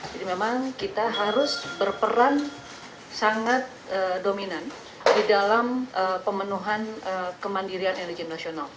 jadi memang kita harus berperan sangat dominan di dalam pemenuhan kemandirian energi nasional